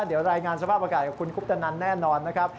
เดี๋ยวรายงานสภาพอากาศกับคุณคุปตนันแน่นอนนะครับ